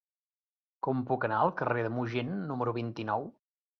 Com puc anar al carrer del Mogent número vint-i-nou?